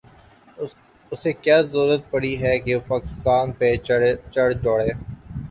اسے کیا ضرورت پڑی ہے کہ پاکستان پہ چڑھ دوڑے۔